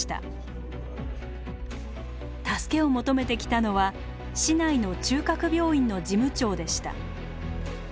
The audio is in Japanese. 助けを求めてきたのは市内の中核病院の事務長でした。